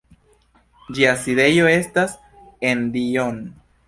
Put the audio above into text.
Ĝia sidejo estas en Dijon.